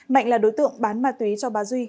mạnh là đối tượng bán ma túy cho bà duy